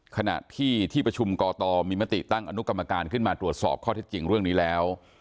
ขณะที่ที่ประชุมกตมีมติตั้งอนุกรรมการขึ้นมาตรวจสอบข้อเท็จจริงเรื่องนี้แล้ว